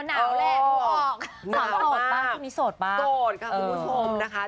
หนาวแหละทุกคนออกสาวโสดป่ะทุกคนนี้โสดป่ะโสดค่ะคุณผู้ชมนะคะ